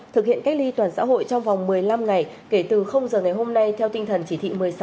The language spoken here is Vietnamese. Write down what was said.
thực hiện cách ly toàn xã hội trong vòng một mươi năm ngày kể từ giờ ngày hôm nay theo tinh thần chỉ thị một mươi sáu